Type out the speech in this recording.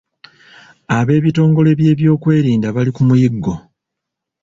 Abeebitongole by’ebyokwerinda bali ku muyiggo.